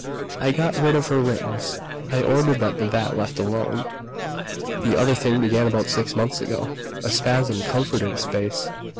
I got rid of her rings. I ordered that vat left alone. "The other thing began about six months ago." A spasm contorted his face.